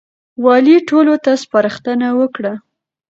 والي ټولو ته سپارښتنه وکړه.